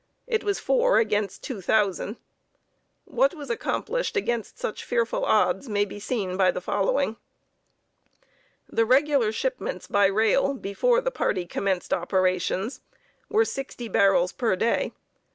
It was four against 2,000. What was accomplished against such fearful odds may be seen by the following: The regular shipments by rail before the party commenced operations were sixty barrels per day.